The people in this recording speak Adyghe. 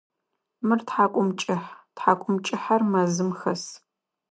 Мыр тхьакӏумкӏыхь, тхьакӏумкӏыхьэр мэзым хэс.